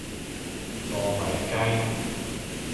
糯米雞